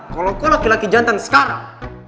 kalau kau laki laki jantan sekarang